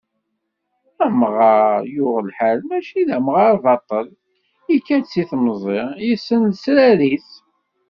Amɣar yuɣ lḥal mačči d amɣar baṭel, yekka-d si temẓi, yessen lesrar-is.